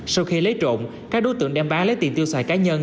sau khi lấy trộm các đối tượng đem bán lấy tiền tiêu xài cá nhân